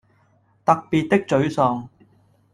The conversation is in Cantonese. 特別的沮喪